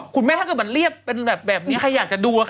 คุณแม่ถ้าเกิดมันเรียกเป็นแบบนี้ใครอยากจะดูนะคะ